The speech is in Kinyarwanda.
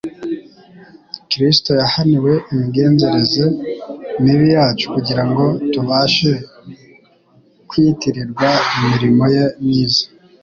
Kristo yahaniwe imigenzereze mibi yacu kugira ngo tubashe kwitirirwa imirimo ye myiza.